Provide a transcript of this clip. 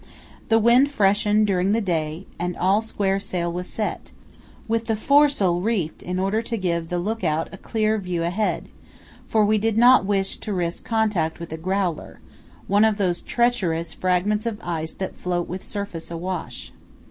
The wind freshened during the day, and all square sail was set, with the foresail reefed in order to give the look out a clear view ahead; for we did not wish to risk contact with a "growler," one of those treacherous fragments of ice that float with surface awash.